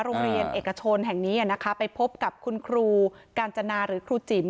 โรงเรียนเอกชนแห่งนี้นะคะไปพบกับคุณครูกาญจนาหรือครูจิ๋ม